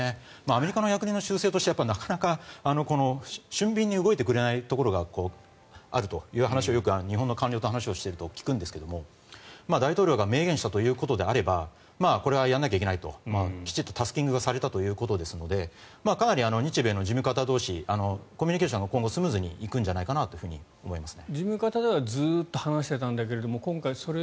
アメリカの役人の習性としてなかなか俊敏に動いてくれないところがあるとよく日本の官僚と話をしていると聞くんですが大統領が明言したということであればこれはやらなきゃいけないときちんとタスキングがされたということですのでかなり日米の事務方同士コミュニケーションが今後スムーズにいくんじゃないかなと思います。